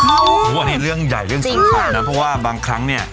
เพราะว่านี้เรื่องใหญ่เรื่องสนขานะเพราะว่าบางครั้งเนี่ย